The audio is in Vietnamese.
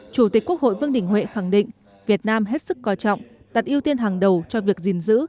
chủ tịch quốc hội vương đình huệ khẳng định việt nam hết sức coi trọng đặt ưu tiên hàng đầu cho việc gìn giữ